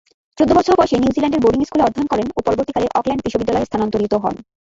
চৌদ্দ বছর বয়সে নিউজিল্যান্ডের বোর্ডিং স্কুলে অধ্যয়ন করেন ও পরবর্তীকালে অকল্যান্ড বিশ্ববিদ্যালয়ে স্থানান্তরিত হন।